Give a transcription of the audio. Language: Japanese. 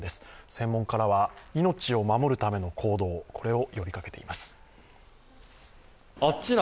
専門家らは命を守るための行動を呼びかけています。